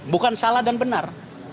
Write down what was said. bukan salah dan benar